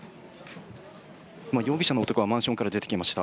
容疑者の男がマンションから出てきました。